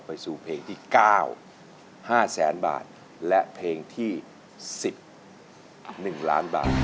ไปสู่เพลงที่๙๕แสนบาทและเพลงที่๑๑ล้านบาท